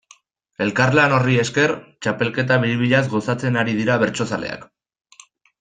Elkarlan horri esker, txapelketa biribilaz gozatzen ari dira bertsozaleak.